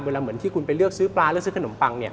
เหมือนที่คุณไปเลือกซื้อปลาเลือกซื้อขนมปัง